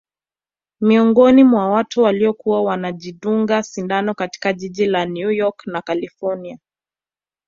Miongoni mwa watu waliokuwa wanajidunga sindano katika jiji la New York na kalifornia